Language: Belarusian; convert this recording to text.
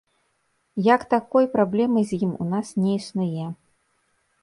Як такой праблемы з ім у нас не існуе.